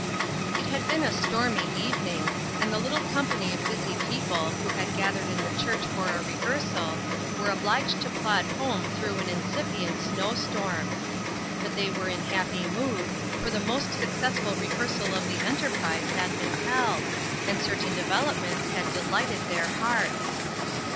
IT had been a stormy evening, and the little company of busy people who had gathered in the church for a rehearsal, were obliged to plod home through an incipient snow storm ; but they were in happy mood, for the most successful rehearsal of the en terprise had been held, and certain develop ments had delighted their hearts.